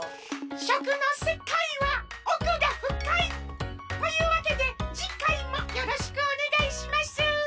しょくのせかいはおくがふかい！というわけでじかいもよろしくおねがいします！